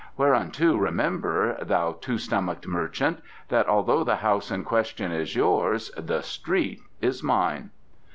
"Whereunto remember, thou two stomached merchant, that although the house in question is yours, the street is mine."